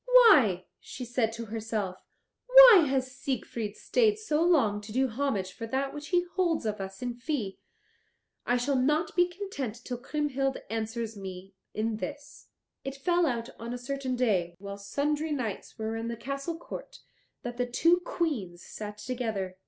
"Why," she said to herself, "why has Siegfried stayed so long to do homage for that which he holds of us in fee? I shall not be content till Kriemhild answer me in this." It fell out on a certain day, while sundry knights were in the castle court, that the two Queens sat together.